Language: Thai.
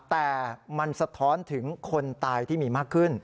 แต่มันสะท้อนถึงคนตายที่มีมากขึ้น